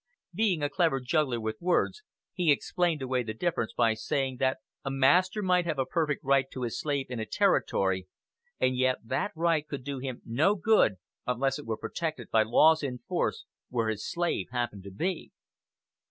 Being a clever juggler with words, he explained away the difference by saying that a master might have a perfect right to his slave in a Territory, and yet that right could do him no good unless it were protected by laws in force where his slave happened to be.